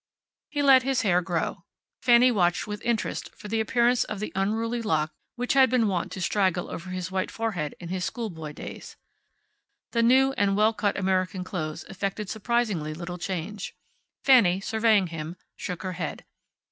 He let his hair grow. Fanny watched with interest for the appearance of the unruly lock which had been wont to straggle over his white forehead in his schoolboy days. The new and well cut American clothes effected surprisingly little change. Fanny, surveying him, shook her head.